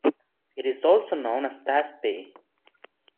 It is also known as Tasbih.